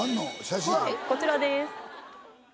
こちらです。